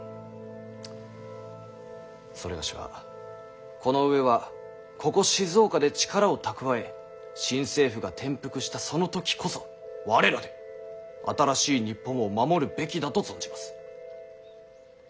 某はこの上はここ静岡で力を貯え新政府が転覆したその時こそ我らで新しい日本を守るべきだと存じます。